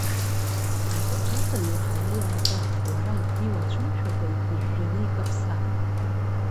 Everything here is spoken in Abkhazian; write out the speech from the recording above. Знапы аҵаҩу ҳара иаабап, уара акгьы уацәымшәакәа иԥыжәжәаны икаԥса…